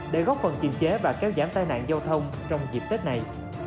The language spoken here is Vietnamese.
để góp phần kiềm chế và kéo giảm tai nạn giao thông trong dịp tết này